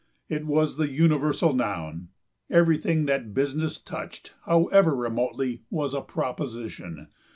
It was the universal noun. Everything that business touched, however remotely, was a "proposition."